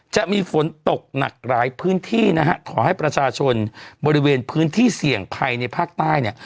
จะมีฝนตกหนักหลายพื้นที่นะฮะขอให้ประชาชนบริเวณพื้นที่เสี่ยงภัยในภาคใต้เนี่ย